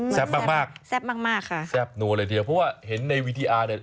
แซ่บมากค่ะแซ่บนัวเลยเดียวเพราะว่าเห็นในวีทีอาร์เนี่ย